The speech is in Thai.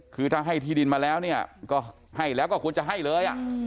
คือถ้าให้ที่ดินมาแล้วเนี่ยก็ให้แล้วก็ควรจะให้เลย